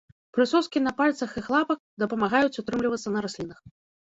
Прысоскі на пальцах іх лапак дапамагаюць утрымлівацца на раслінах.